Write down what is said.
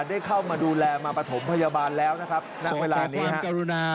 ได้เข้านำมาดูแลมาปภมพยาบาลแล้วนะครับ